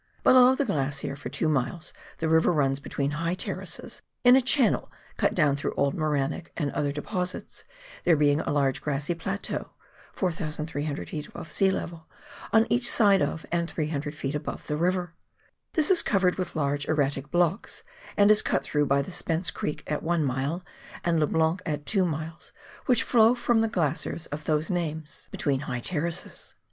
Below the glacier, for two miles, the river runs between high terraces, in a channel cut down through old morainic and other deposits, there being a large grassy plateau (4,300 ft. above sea level) on each side of and 300 ft. above the river. This is covered with large erratic blocks, and is cut through by the Spence Creek at one mile and Le Blanc at two miles, which flow from the glaciers of those names LANDSBOROUGH RIVER. 217 between high terraces.